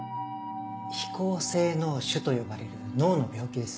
肥厚性脳腫と呼ばれる脳の病気です。